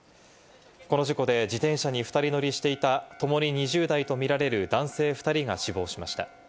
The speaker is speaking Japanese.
この事故で自転車に２人乗りしていた、ともに２０代とみられる男性２人が死亡しました。